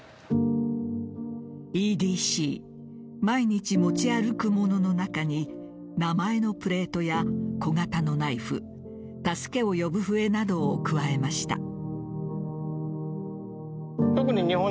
ＥＤＣ毎日持ち歩くものの中に名前のプレートや小型のナイフ助けを呼ぶ笛などを加えました。